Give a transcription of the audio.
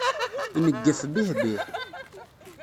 Ineggef bih-bih.